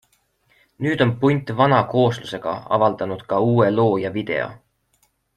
Nüüd on punt vana kooslusega avaldanud ka uue loo ja video.